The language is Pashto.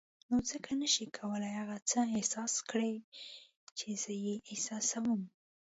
نو ځکه نه شې کولای هغه څه احساس کړې چې زه یې احساسوم.